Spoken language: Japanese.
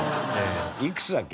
いくつだっけ？